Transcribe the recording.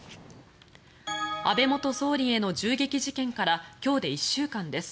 安倍元総理への銃撃事件から今日で１週間です。